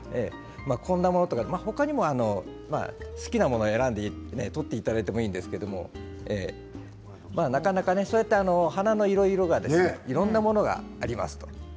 こんなものもありますし他にも好きなものを選んで取っていただいてもいいんですけれどなかなかそうやって花の色いろんなものがあります。